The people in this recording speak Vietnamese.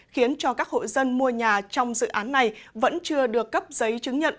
khiến cho các hộ dân mua nhà trong dự án này vẫn chưa được cấp giấy chứng nhận